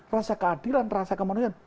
rasa keadilan rasa kemanusiaan